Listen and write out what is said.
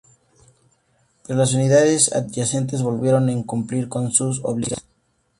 Pero las unidades adyacentes volvieron a incumplir con sus obligaciones.